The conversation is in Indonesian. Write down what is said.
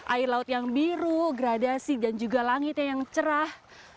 air laut yang biru gradasi dan juga langitnya yang cerah